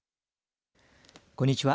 こんにちは。